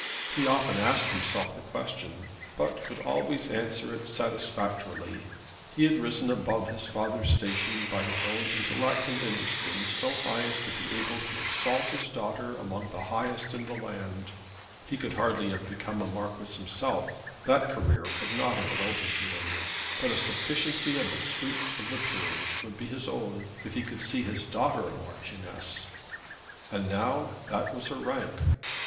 He often asked himself the question, but could always answer it satisfactorily. He had risen above his father's station by his own intellect and industry so high as to be able to exalt his daughter among the highest in the land. He could hardly have become a Marquis himself. That career could not have been open to him; but a sufficiency of the sweets of the peerage would be his own if he could see his daughter a Marchioness. And now that was her rank.